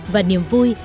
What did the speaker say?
và niềm vui